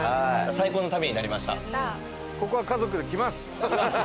最高の旅になりました。